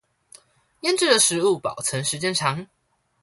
醃制的食物保存時間長